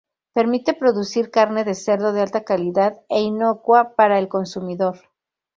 Permite producir carne de cerdo de alta calidad e inocua para el consumidor.